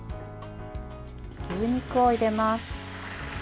牛肉を入れます。